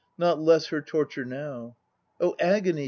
Not less her torture now! "Oh, agony!"